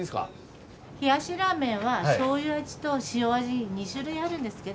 冷やしラーメンはしょうゆ味と塩味２種類あるんですけど。